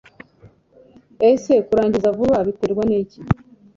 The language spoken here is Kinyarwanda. Ese kurangiza vuba biterwa n'iki